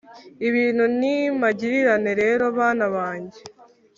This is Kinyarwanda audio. Ibintu ni magirirane rero bana bange